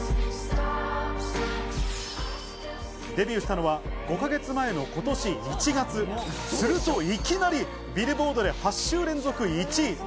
デビューしたのは５か月前の今年１月、するといきなり、ビルボードで８週連続１位。